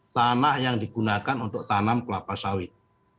tanah yang digunakan untuk tanam kelapa sawit